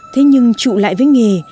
thế nhưng trụ lại với nghề